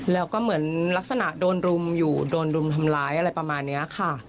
แล้วก็เหมือนลักษณะโดนรุมอยู่โดนรุมทำร้ายอะไรประมาณนี้ค่ะ